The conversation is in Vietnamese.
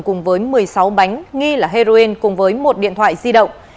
cùng với một mươi sáu bánh nghi là heroin cùng với một điện thoại di động